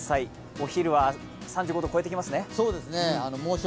お昼は３５度を超えてきますね。